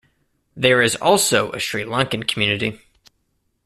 There is also a Sri Lankan community.